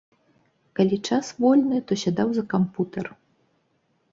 Калі час вольны, то сядаў за камп'ютар.